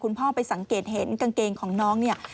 พ่อไปสังเกตเห็นกางเกงของน้องเนี่ย